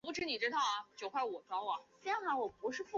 科多拉是位于美国加利福尼亚州格伦县的一个非建制地区。